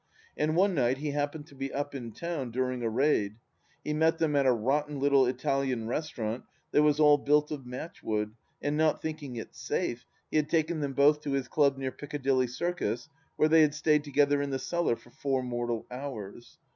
And one night he happened to be up in town during a raid; he met them at a rotten little Italian restaurant that was all built of matchwood, and not thinking it safe, he had taken them both to his club near Piccadilly Circus, where they had stayed together in the cellar for four mortal hours.